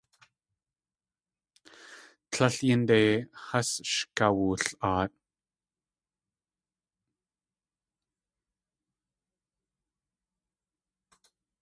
Tlél yínde has sh kawul.aat.